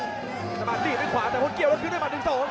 พันธุ์สามารถดีดด้วยขวาแต่พันธุ์เกี่ยวแล้วคือได้มา๑๒